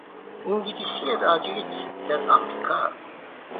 انگلیسی رایج در امریکا